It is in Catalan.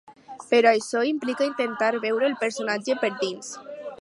Però això implica intentar veure el personatge per dins.